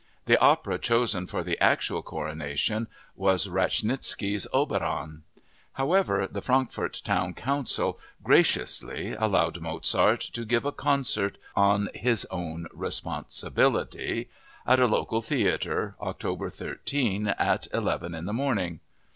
The opera chosen for the actual coronation was Wranitzky's Oberon. However, the Frankfurt town council "graciously" allowed Mozart to give a concert "on his own responsibility" at a local theater, October 13 at 11 in the morning!